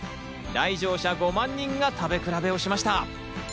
来場者５万人が食べ比べをしました。